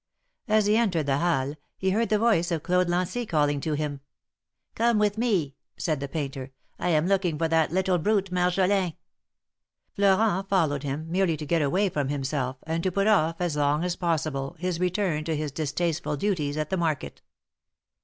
As he entered the Halles, he heard the voice of Claude Lantier calling to him. ^^Come with me!" said the painter. am looking for that little brute, Marjolin." Florent followed him, merely to get away from himself, and to put off as long as possible, his return to his dis tasteful duties at the market.